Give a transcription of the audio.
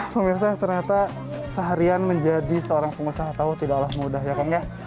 pemirsa yang ternyata seharian menjadi seorang pengusaha tahu tidaklah mudah ya kang ya